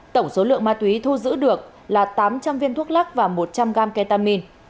tổng số lượng ma túy thu giữ được là tám trăm linh viên thuốc lắc và một trăm linh gram ketamin